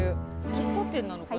喫茶店なのかな。